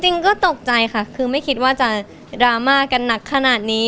จริงก็ตกใจค่ะคือไม่คิดว่าจะดราม่ากันหนักขนาดนี้